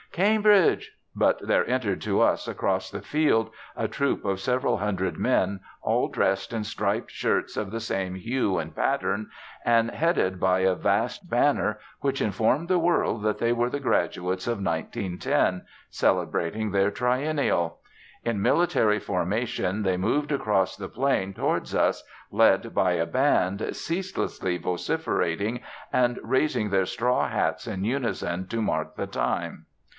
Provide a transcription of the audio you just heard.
'Cambridge'! ... but there entered to us, across the field, a troop of several hundred men, all dressed in striped shirts of the same hue and pattern, and headed by a vast banner which informed the world that they were the graduates of 1910, celebrating their triennial. In military formation they moved across the plain towards us, led by a band, ceaselessly vociferating, and raising their straw hats in unison to mark the time.